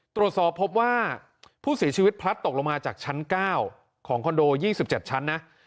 ตรวจสอบพบว่าผู้เสียชีวิตพลัดตกลงมาจากชั้น๙ของคอนโด๒๗ชั้นนะ